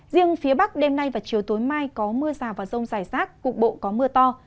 riêng phía bắc đêm nay và chiều tối mai có mưa rào và rông rải rác cục bộ có mưa to